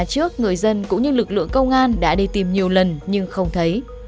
trước người dân cũng như lực lượng công an đã đi tìm nhiều lần nhưng không thấy